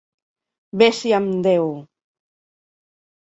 Vés-hi amb deu!